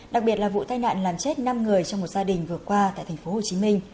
đặc biệt là vụ tai nạn làm chết năm người trong một gia đình vừa qua tại tp hcm